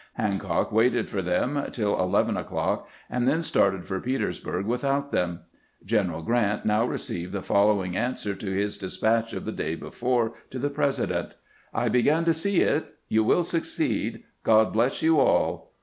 Hancock waited for them till eleven o'clock, and then started for Petersburg without them. General Grant now received the following an swer to his despatch of the day before to the Presi dent :" I begin to see it. You will succeed. God bless you all.